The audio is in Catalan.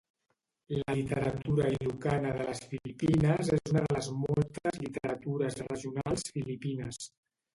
La literatura ilocana de les Filipines és una de les moltes literatures regionals filipines.